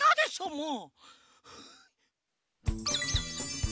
もう！